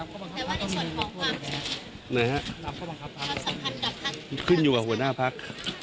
ครับขึ้นอยู่กับหัวหน้าพัก